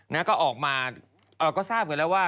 นะก็ออกมาเราก็ทราบกันแล้วว่า